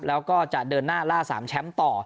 แล้วก็จะเดินหน้าล่า๓แชมป์ต่อ